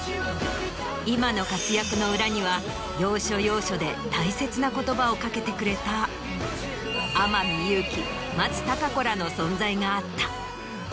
今の活躍の裏には要所要所で大切な言葉を掛けてくれた天海祐希松たか子らの存在があった。